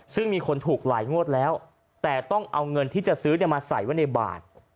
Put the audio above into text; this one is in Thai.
ซึ่งมีคนถูกหลายงวดแล้วแต่ต้องเอาเงินที่จะซื้อมาใส่ไว้ในบาท